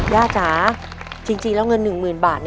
จ้าจริงแล้วเงิน๑๐๐๐บาท